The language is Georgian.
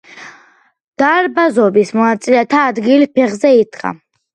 დარბაზობის მონაწილეთა ნაწილი ფეხზე იდგა.